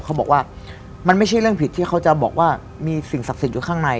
เขาบอกว่ามันไม่ใช่เรื่องผิดที่เขาจะบอกว่ามีสิ่งศักดิ์สิทธิ์อยู่ข้างใน